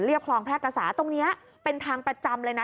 คลองแพร่กษาตรงนี้เป็นทางประจำเลยนะ